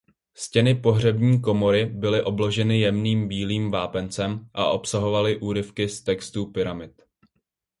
Stěny pohřební komory byly obloženy jemným bílým vápencem a obsahovaly úryvky z Textů pyramid.